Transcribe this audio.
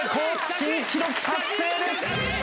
新記録達成です！